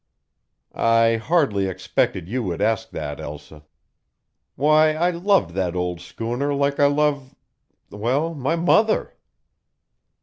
"I hardly expected you would ask that, Elsa. Why, I loved that old schooner like I love well, my mother."